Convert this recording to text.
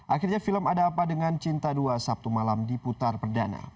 akhirnya film ada apa dengan cinta dua sabtu malam diputar perdana